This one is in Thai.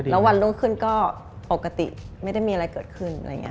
แล้ววันรุ่งขึ้นก็ปกติไม่ได้มีอะไรเกิดขึ้นอะไรอย่างนี้